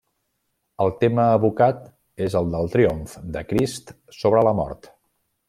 El tema evocat és el del triomf de Crist sobre la mort.